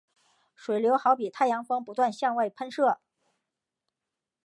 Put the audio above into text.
水流好比太阳风不断向外喷射。